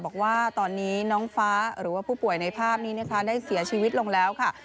บอกว่าตอนนี้น้องฟ้าหรือว่าผู้ป่วยในภาพนี้นะคะได้เสียชีวิตลงแล้วค่ะ